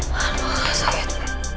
maaf aku sakit